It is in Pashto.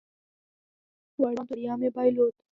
وړیا ژوندون و، وړیا مې بایلود